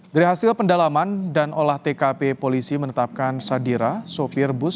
dari hasil pendalaman dan olah tkp polisi menetapkan sadira sopir bus